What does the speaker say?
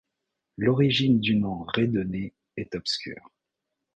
L'origine du nom Rédené est obscur.